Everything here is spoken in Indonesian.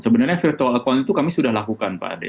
sebenarnya virtual account itu kami sudah lakukan pak ade